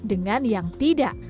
dengan yang tidak